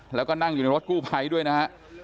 แล้วก็นั่งอยู่ในรถกู้ไภด้วยนะครับ